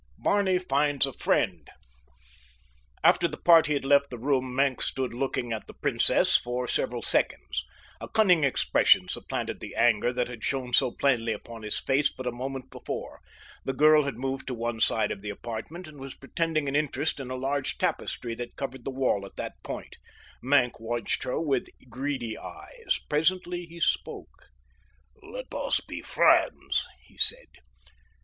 BARNEY FINDS A FRIEND After the party had left the room Maenck stood looking at the princess for several seconds. A cunning expression supplanted the anger that had shown so plainly upon his face but a moment before. The girl had moved to one side of the apartment and was pretending an interest in a large tapestry that covered the wall at that point. Maenck watched her with greedy eyes. Presently he spoke. "Let us be friends," he said.